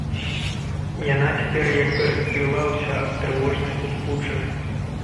Яна цяпер як бы расцвіла ўся ад трывожнай узбуджанасці.